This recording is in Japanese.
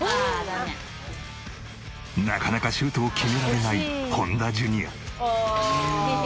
なかなかシュートを決められない本田ジュニア。